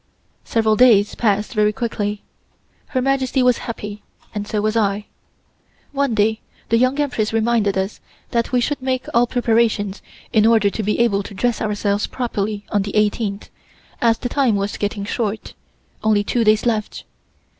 Several days passed very quietly. Her Majesty was happy, and so was I. One day the Young Empress reminded us that we should make all preparations in order to be able to dress ourselves properly on the eighteenth, as the time was getting short only two days left.